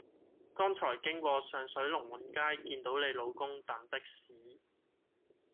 剛才經過上水龍運街見到你老公等的士